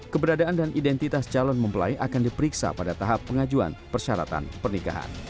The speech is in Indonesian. keberadaan dan identitas calon mempelai akan diperiksa pada tahap pengajuan persyaratan pernikahan